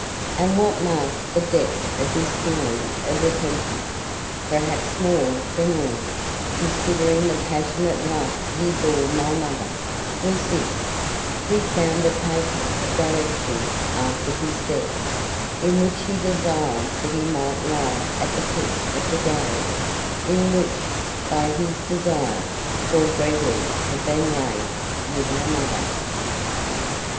And what marked the depth of his feeling of repentance, perhaps more than all, considering the passionate love he bore my mother, was this: we found a paper of directions after his death, in which he desired that he might lie at the foot of the grave, in which, by his desire, poor Gregory had been laid with OUR MOTHER.